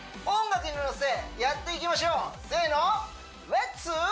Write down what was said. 音楽にのせやっていきましょうせの！